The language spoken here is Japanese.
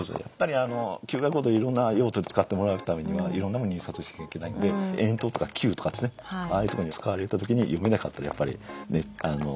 やっぱりＱＲコードいろんな用途に使ってもらうためにはいろんなものに印刷しなきゃいけないんで円筒とか球とかですね。ああいうとこに使われた時に読めなかったらやっぱりね。